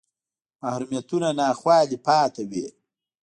محرومیتونه ناخوالې پاتې وې